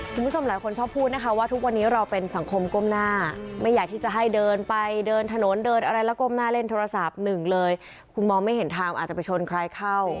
คุณผู้ชมหลายคนชอบพูดนะคะว่าทุกวันนี้เราเป็นสังคมก้มหน้าไม่อยากที่จะให้เดินไปเดินถนนเดินอะไรแล้วก้มหน้าเล่นโทรศัพท์หนึ่งเลยคุณมองไม่เห็นทางอาจจะไปชนใครเข้า